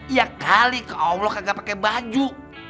iya kali ke allah kagak pake baju